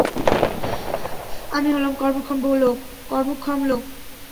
আমি হলাম কর্মক্ষম লোক!